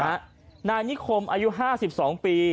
นายนิคมอายุ๕๒ปี